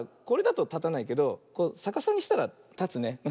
これだとたたないけどさかさにしたらたつね。